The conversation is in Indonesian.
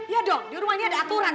ya dong di rumah ini ada aturan